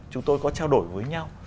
chúng tôi có trao đổi với nhau